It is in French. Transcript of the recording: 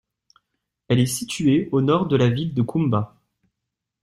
Elle est située au nord de la ville de Kumba.